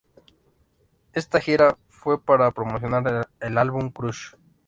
Esta gira fue para promocionar el álbum Crush.